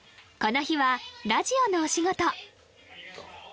この日はラジオのお仕事